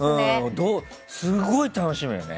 すごい楽しみだよね。